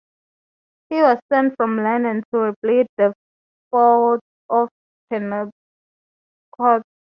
He was sent from London to rebuild the Fort at Penobscot.